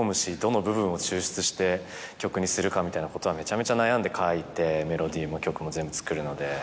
曲にするかみたいなことはめちゃめちゃ悩んで書いてメロディーも曲も全部作るので。